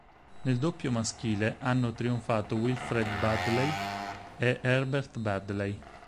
Nel doppio maschile hanno trionfato Wilfred Baddeley e Herbert Baddeley.